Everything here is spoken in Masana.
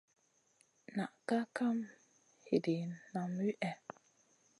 Na kaʼa kam hidina nam wihè.